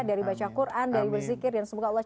dari baca quran dari berzikir dan semoga allah